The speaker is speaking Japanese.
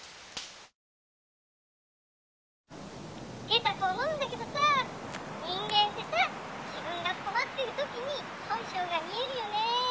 「ゲタ子思うんだけどさ人間ってさ自分が困ってる時に本性が見えるよね。